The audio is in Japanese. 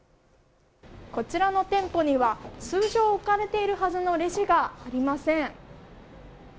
こちらの店舗には通常置かれているはずのレジがありません。